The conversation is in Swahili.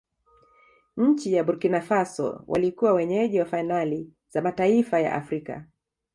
nchi ya burkina faso walikuwa wenyeji wa fainali za mataifa ya afrika